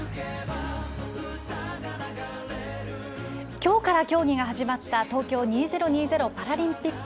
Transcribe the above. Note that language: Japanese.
きょうから競技が始まった東京２０２０パラリンピック。